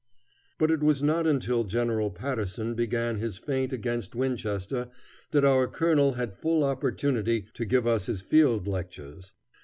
But it was not until General Patterson began his feint against Winchester that our colonel had full opportunity to give us his field lectures.